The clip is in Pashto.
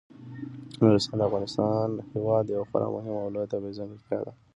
نورستان د افغانستان هیواد یوه خورا مهمه او لویه طبیعي ځانګړتیا ده.